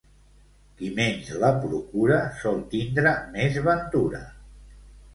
Qui menys la procura, sol tindre més ventura.